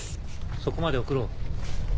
そこまで送ろう。